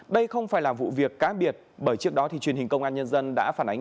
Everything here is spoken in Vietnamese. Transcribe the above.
đây không phải là vụ việc cá biệt bởi trước đó thì truyền hình công an nhân dân đã phản ánh